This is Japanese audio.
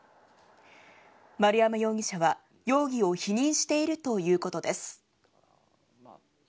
丸山容疑者は容疑を否認しているということです。